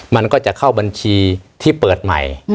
มันก็จะเข้าบัญชีที่เปิดใหม่